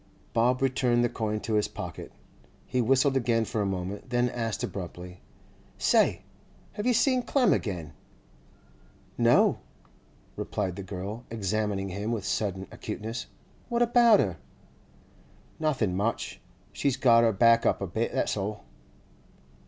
Bob returned the coin to his pocket. He whistled again for a moment, then asked abruptly: 'Say! have you seen Clem again?' 'No,' replied the girl, examining him with sudden acuteness. 'What about her?' 'Nothing much. She's got her back up a bit, that's all.